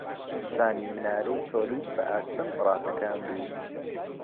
شانی منارەی چۆلیت بە ئاستەم ڕاتەکاند و